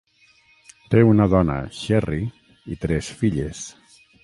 Té una dona, Sherri, i tres filles.